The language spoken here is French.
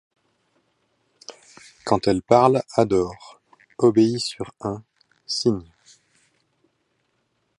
Quand elle parle, adore ; obéis sur un, signe.